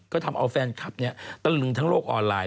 ก็ทำเอาแฟนคลับตะลึงทั้งโลกออนไลน์